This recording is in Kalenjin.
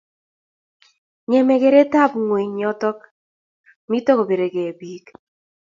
kengeme keretab ngweny yoto mito kobiregei biik